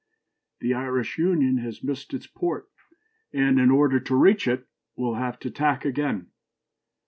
The Irish Union has missed its port, and, in order to reach it, will have to tack again.